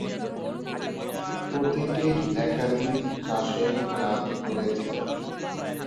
প্রতিটির একাধিক চাষের জাত রয়েছে।